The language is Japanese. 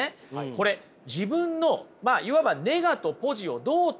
これ自分のまあいわばネガとポジをどう捉えるかがポイントですよ。